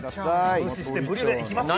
無視してブリュレいきますよ